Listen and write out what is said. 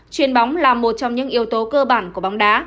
truyền bóng là một trong những yếu tố cơ bản của bóng đá